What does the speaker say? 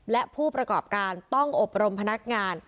และผู้ประกอบการต้องอบรมพนักงาน